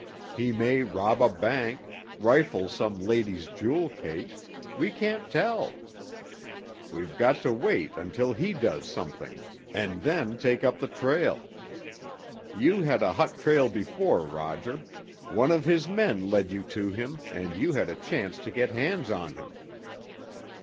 He may rob a bank, rifle some lady's jewel case—we can't tell. We've got to wait until he does something, and then take up the trail. You had a hot trail before, Roger—one of his men led you to him and you had a chance to get hands on him."